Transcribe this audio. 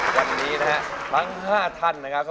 วันนี้นะคะมัน๕ท่านนะคะ